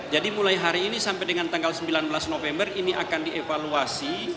jadi mulai hari ini sampai dengan tanggal sembilan belas november ini akan dievaluasi